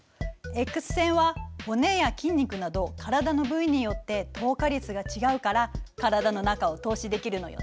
Ｘ線は骨や筋肉など体の部位によって透過率が違うから体の中を透視できるのよね。